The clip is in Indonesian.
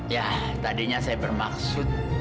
ya tadinya saya bermaksud